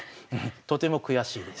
とても悔しいです。